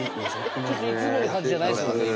ちょっといつもの感じじゃないですもんね